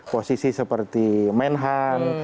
posisi seperti menhan